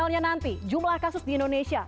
misalnya nanti jumlah kasus di indonesia